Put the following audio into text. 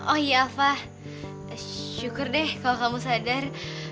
oh iya alfa syukur deh kalau kamu sadar